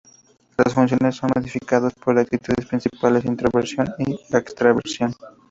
Las funciones son modificadas por dos actitudes principales: introversión y extraversión.